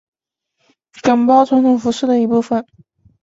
岗包传统服饰的一部分。